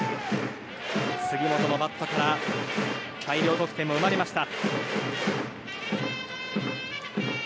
杉本のバットから大量得点も生まれました。